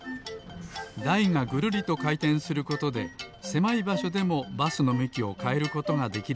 だいがぐるりとかいてんすることでせまいばしょでもバスのむきをかえることができるのです。